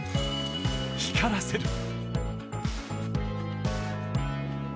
光らせる。